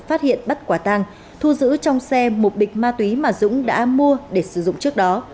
phát hiện bắt quả tang thu giữ trong xe một bịch ma túy mà dũng đã mua để sử dụng trước đó